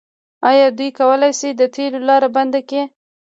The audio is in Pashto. آیا دوی کولی شي د تیلو لاره بنده کړي؟